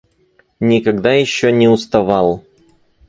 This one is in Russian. Никогда еще не уставал.